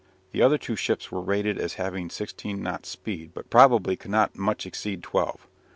The other two ships were rated as having sixteen knots speed, but probably could not much exceed twelve.